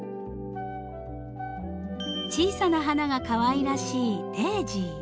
小さな花がかわいいらしいデージー。